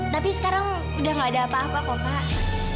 tapi sekarang udah gak ada apa apa kok pak